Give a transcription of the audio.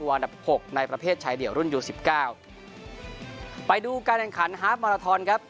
อันดับหกในประเภทชายเดี่ยวรุ่นยูสิบเก้าไปดูการแข่งขันฮาร์ฟมาราทอนครับ